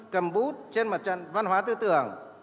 cầm bút trên mặt trận văn hóa tư tưởng